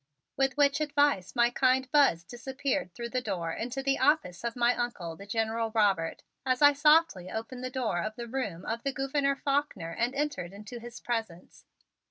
With which advice my kind Buzz disappeared through the door into the office of my Uncle, the General Robert, as I softly opened the door of the room of the Gouverneur Faulkner and entered into his presence.